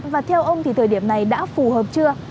và theo ông thì thời điểm này đã phù hợp chưa